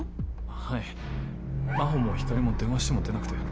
はい真帆も光莉も電話しても出なくて。